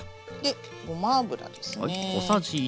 ごま油ですね。